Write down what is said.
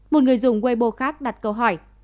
một người dùng weibo khác đặt câu hỏi